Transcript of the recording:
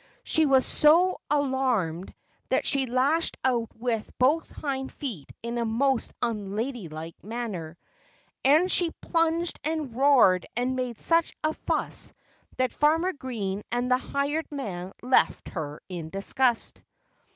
She was so alarmed that she lashed out with both hind feet in a most unladylike manner. And she plunged and roared and made such a fuss that Farmer Green and the hired man left her in disgust.